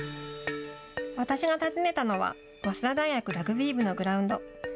私が訪ねたのは早稲田大学ラグビー部のグラウンド。